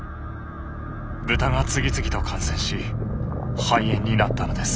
豚が次々と感染し肺炎になったのです。